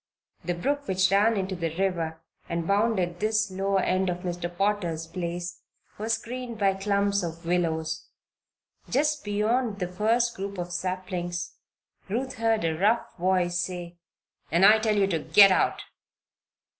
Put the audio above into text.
The brook which ran into the river, and bounded this lower end of Mr. Potter's place, was screened by clumps of willows. Just beyond the first group of saplings Ruth heard a rough voice say: "And I tell you to git out!